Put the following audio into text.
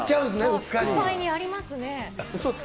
副材にありますね。